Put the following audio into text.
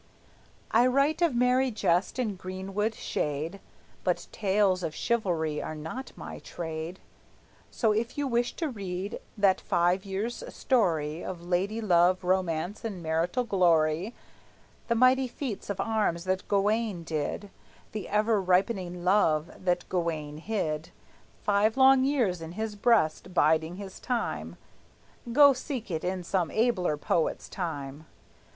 I write of merry jest and greenwood shade, But tales of chivalry are not my trade; So if you wish to read that five years' story Of lady love, romance, and martial glory, The mighty feats of arms that Gawayne did, The ever ripening love that Gawayne hid Five long years in his breast, biding his time, Go seek it in some abler poet's rime.